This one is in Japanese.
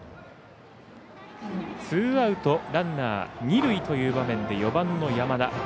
ツーアウトランナー、二塁という場面で４番の山田。